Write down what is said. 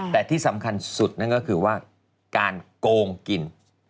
แต่ที่สำคัญสุดนั่นก็คือว่าการโกงกิน